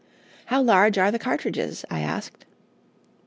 "How large are the cartridges?" I asked.